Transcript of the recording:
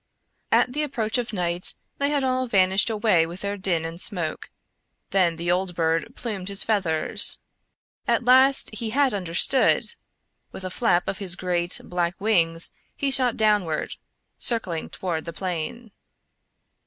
At the approach of night they had all vanished away with their din and smoke. Then the old bird plumed his feathers. At last he had understood! With a flap of his great, black wings he shot downward, circling toward the plain.